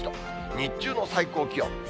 日中の最高気温。